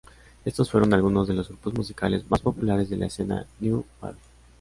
Estos fueron algunos de los grupos musicales más populares de la escena new wave.